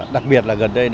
đặc biệt là gần đây